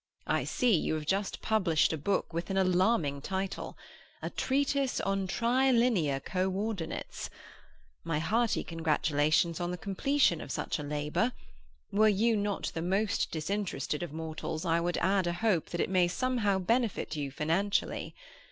I see you have just published a book with an alarming title, "A Treatise on Trilinear Co ordinates." My hearty congratulations on the completion of such a labour; were you not the most disinterested of mortals, I would add a hope that it may somehow benefit you financially.